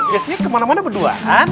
biasanya kemana mana berduaan